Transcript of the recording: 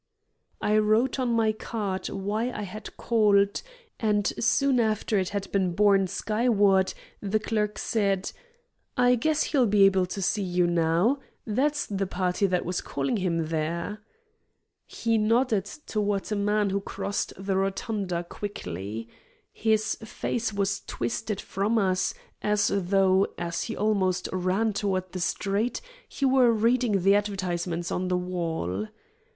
I wrote on my card why I had called, and soon after it had been borne skyward the clerk said: "I guess he'll be able to see you now. That's the party that was calling on him, there." He nodded toward a man who crossed the rotunda quickly. His face was twisted from us, as though, as he almost ran toward the street, he were reading the advertisements on the wall.